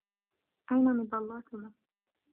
أين مظلاتنا ؟